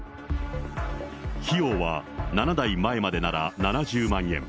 費用は７代前までなら７０万円。